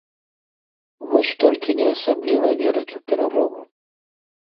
Вось толькі не асабліва вераць у перамогу.